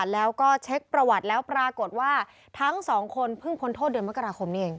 แล้วก็เช็คประวัติแล้วปรากฏว่าทั้งสองคนเพิ่งพ้นโทษเดือนมกราคมนี้เอง